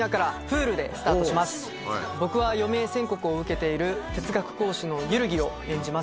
僕は余命宣告を受けている哲学講師の萬木を演じます。